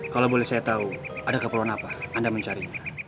kalau boleh saya tahu ada keperluan apa anda mencari